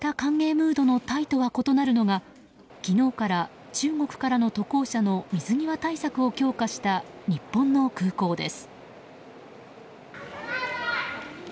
こうした歓迎ムードのタイとは異なるのが昨日から中国からの渡航者の水際対策を強化した日本の空港です。